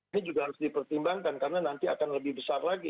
ini juga harus dipertimbangkan karena nanti akan lebih besar lagi